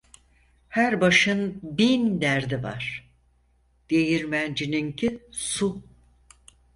Her başın bin derdi var, değirmencininki su.